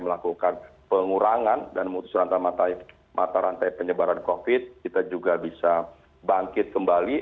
melakukan pengurangan dan memutus mata rantai penyebaran covid kita juga bisa bangkit kembali